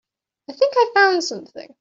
I think I found something.